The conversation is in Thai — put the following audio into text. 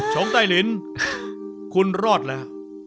จองไต้ลินคุณรอดแล้ว